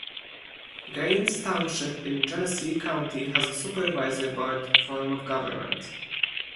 Gaines Township in Genesee County has a Supervisor-Board form of government.